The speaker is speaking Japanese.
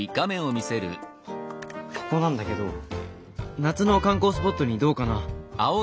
ここなんだけど夏の観光スポットにどうかな？